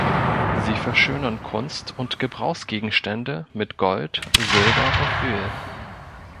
Sie verschönern Kunst- und Gebrauchsgegenstände mit Gold, Silber und Öl.